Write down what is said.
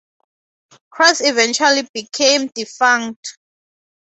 Cross eventually became defunct.